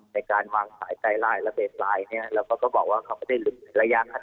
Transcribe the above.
ในการวางสายไตร์และแล้วก็ก็บอกว่าเขาไม่ได้หลับในระยะขนาด